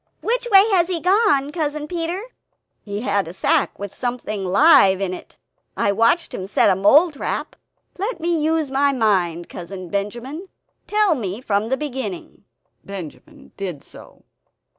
which way has he gone, Cousin Peter?" "He had a sack with something live in it; I watched him set a mole trap. Let me use my mind, Cousin Benjamin; tell me from the beginning," Benjamin did so.